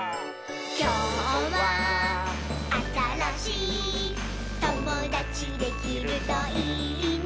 「きょうはあたらしいともだちできるといいね」